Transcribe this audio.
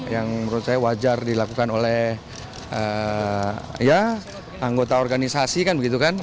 yang menurut saya wajar dilakukan oleh anggota organisasi kan begitu kan